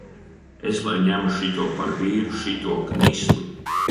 Es lai ņemu šito par vīru, šito knisli!